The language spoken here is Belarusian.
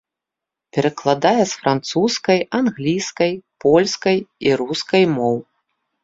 Перакладае з французскай, англійскай, польскай і рускай моў.